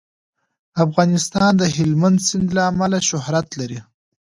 افغانستان د هلمند سیند له امله شهرت لري.